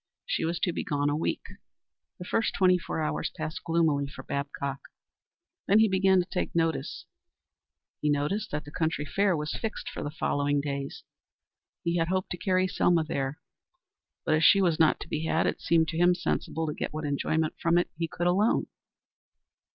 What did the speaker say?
She was to be gone a week. The first twenty four hours passed gloomily for Babcock. Then he began to take notice. He noticed that the county fair was fixed for the following days. He had hoped to carry Selma there, but, as she was not to be had, it seemed to him sensible to get what enjoyment from it he could alone.